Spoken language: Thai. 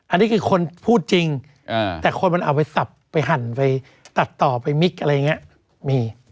อันนี้คือคนพูดจริงแต่คนมันเอาไปสับไปหั่นไปตัดต่อไปมิกอะไรอย่างนี้มี